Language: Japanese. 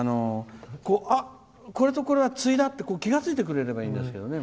あ、これとこれは対だって気が付いてくれればいいんですけどね。